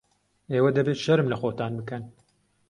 ئێوە دەبێت شەرم لە خۆتان بکەن.